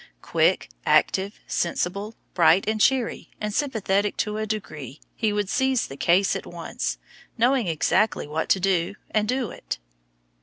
Quick, active, sensible, bright and cheery, and sympathetic to a degree, he would seize the "case" at once, know exactly what to do and do it.